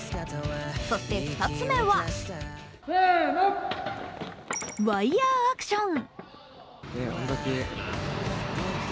そして２つ目はワイヤーアクション。